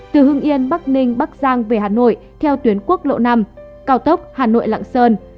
từ hưng yên bắc ninh bắc giang về hà nội theo tuyến quốc lộ năm cao tốc hà nội lạng sơn